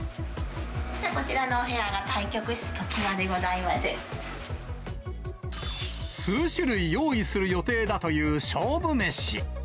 こちらのお部屋が対局室の常数種類用意する予定だという勝負飯。